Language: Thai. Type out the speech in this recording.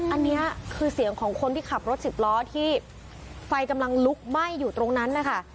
อันนี้คือเสียงของคนที่ขับรถสิบล้อที่ไฟกำลังลุกไหม้อยู่ตรงนั้นนะคะ